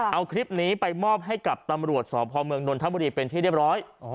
เอาคลิปนี้ไปมอบให้กับตำรวจสพเมืองนนทบุรีเป็นที่เรียบร้อย